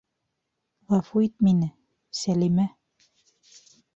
Ғәфү ит мине, Сәлимә...